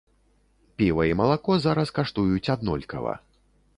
Піва і малако зараз каштуюць аднолькава.